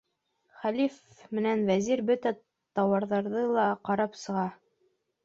Хәлиф менән вәзир бөтә тауарҙарҙы ла ҡарап сыға.